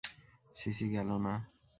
CC গেল না।